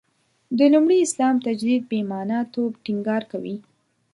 د لومړي اسلام تجدید «بې معنا» توب ټینګار کوي.